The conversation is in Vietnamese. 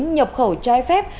nhập khẩu trái phép